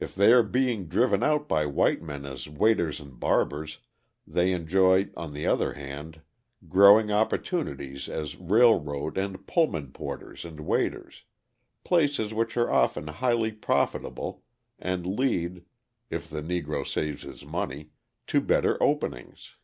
If they are being driven out by white men as waiters and barbers, they enjoy, on the other hand, growing opportunities as railroad and Pullman porters and waiters places which are often highly profitable, and lead, if the Negro saves his money, to better openings.